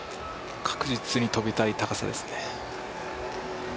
確実に跳びたい高さですね。